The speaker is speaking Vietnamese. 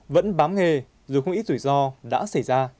vẫn bám nghề dù không ít rủi ro đã xảy ra